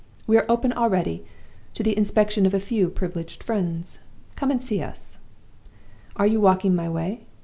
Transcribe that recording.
We are open already to the inspection of a few privileged friends come and see us. Are you walking my way?